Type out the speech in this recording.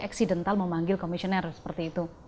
eksidental memanggil komisioner seperti itu